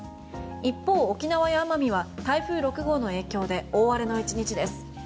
一方、沖縄や奄美は台風６号の影響で大荒れの１日です。